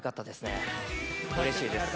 うれしいです。